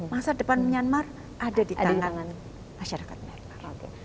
masalah depan menyanmar ada di tangan masyarakat menyanmar